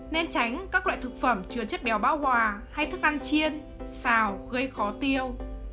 nên tránh các loại thực phẩm chừa chất béo bão hòa hay thức ăn chiên xào gây khó tiêu